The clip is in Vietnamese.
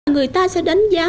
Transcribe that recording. người ta sẽ đánh giá